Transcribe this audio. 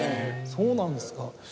そうなんですか。